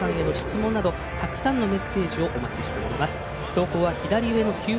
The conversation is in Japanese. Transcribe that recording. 井口資仁さんへの質問などたくさんのメッセージをお待ちしています。